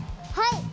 はい！